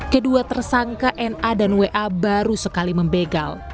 kedua tersangka na dan wa baru sekali membegal